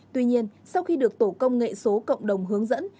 tuy nhiên sau khi được tổ công nghệ số cộng đồng hướng dẫn